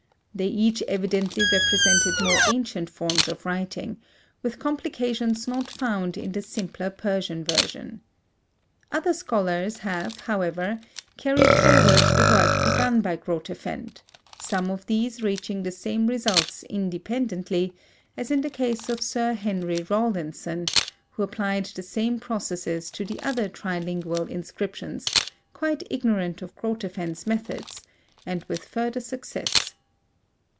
They each evidently represented more ancient forms of writing, with complications not found in the simpler Persian version. Other scholars have however, carried forward the work begun by Grotefend, some of these reaching the same results independently, as in the case of Sir Henry Rawlinson, who applied the same processes to the other trilingual inscriptions, quite ignorant of Grotefend's methods, and with further success.